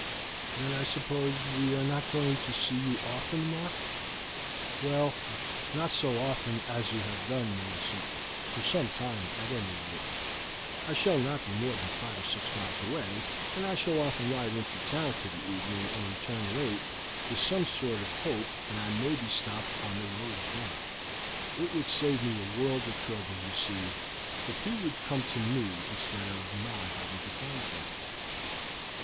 "Then I suppose we are not going to see you often, Mark?" "Well, not so often as you have done, Millicent, for some time, at any rate. I shall not be more than five or six miles away, and I shall often ride into town for the evening, and return late with some sort of hope that I may be stopped on the road again; it would save me a world of trouble, you see, if he would come to me instead of my having to find him."